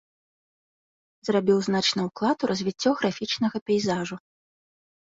Зрабіў значны ўклад у развіццё графічнага пейзажу.